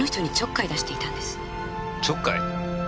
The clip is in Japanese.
ちょっかい？